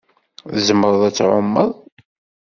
Tzemreḍ ad tɛumeḍ?